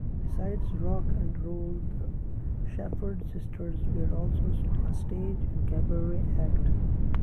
Besides rock and roll the Shepherd Sisters were also a stage and cabaret act.